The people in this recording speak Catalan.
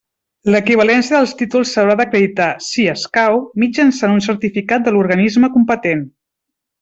L'equivalència dels títols s'haurà d'acreditar, si escau, mitjançant un certificat de l'organisme competent.